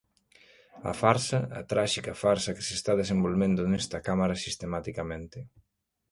A farsa, a tráxica farsa que se está desenvolvendo nesta Cámara sistematicamente.